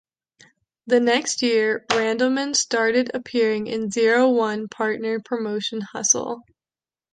The next year, Randleman started appearing in Zero-One's partner promotion Hustle.